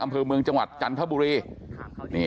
อำเภอเมืองจังหวัดจันทบุรี